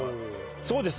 そうです。